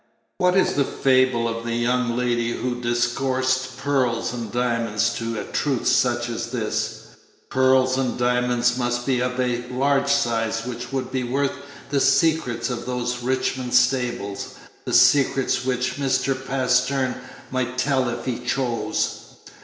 What is the fable of the young lady who discoursed pearls and diamonds to a truth such as this! Pearls and diamonds must be of a large size which would be worth the secrets of those Richmond stables, the secrets which Mr. Pastern might tell if he chose.